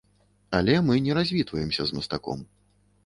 Але мы не развітваемся з мастаком.